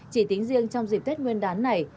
chỉ tính riêng trong dịp tết nguyên đán này